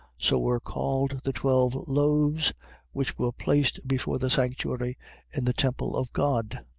. .So were called the twelve loaves which were placed before the sanctuary in the temple of God.